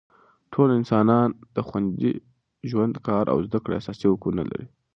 ټول انسانان د خوندي ژوند، کار او زده کړې اساسي حقونه لري.